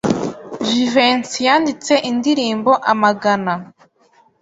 Jivency yanditse indirimbo amagana.